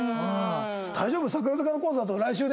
大丈夫？